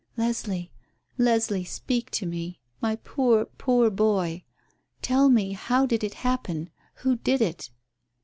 "Leslie, Leslie, speak to me. My poor, poor boy. Tell me, how did it happen? Who did it?"